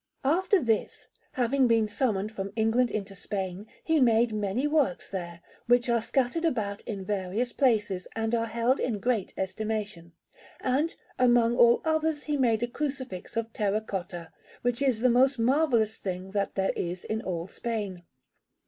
After this, having been summoned from England into Spain, he made many works there, which are scattered about in various places, and are held in great estimation; and, among others, he made a Crucifix of terra cotta, which is the most marvellous thing that there is in all Spain.